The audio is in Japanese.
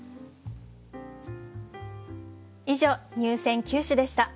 以上入選九首でした。